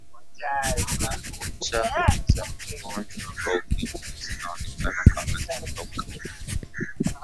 kucha za mgonjwa wa ukimwi zinaonekana kama zimekauka